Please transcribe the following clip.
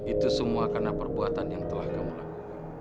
itu semua karena perbuatan yang telah kamu lakukan